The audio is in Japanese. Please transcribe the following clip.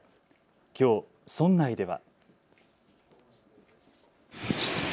きょう村内では。